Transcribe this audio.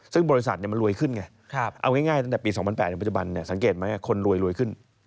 ซึ่งบริษัทมันรวยขึ้นไงเอาง่ายตั้งแต่ปี๒๐๐๘ปัจจุบันสังเกตไหมคนรวยขึ้น